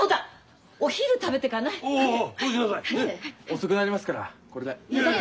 遅くなりますからこれで。いやいや。